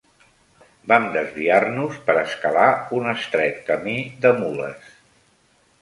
Vam desviar-nos per escalar un estret camí de mules